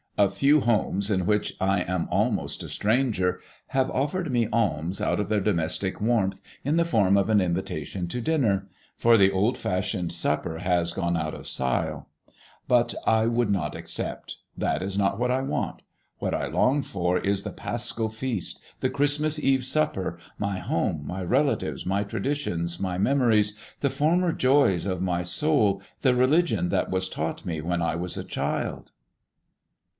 A few homes in which I am almost a stranger have offered me alms out of their domestic warmth in the form of an invitation to dinner, for the old fashioned supper has gone out of style. But I would not accept. That is not what I want. What I long for is the Paschal feast, the Christmas Eve supper, my home, my relatives, my traditions, my memories, the former joys of my soul, the religion that was taught me when I was a child.